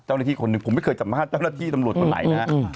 เจ้าหน้าที่คนหนึ่งผมไม่เคยสัมภาษณ์เจ้าหน้าที่สำรวจคนไหนนะ